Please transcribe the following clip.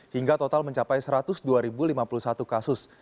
hingga total mencapai satu ratus dua lima puluh satu kasus